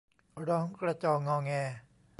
ร้องกระจองอแง